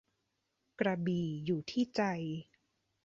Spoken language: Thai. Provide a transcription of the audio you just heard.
กระบี่อยู่ที่ใจ